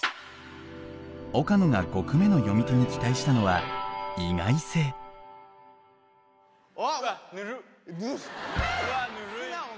岡野が５句目の詠み手に期待したのはわっぬるっ。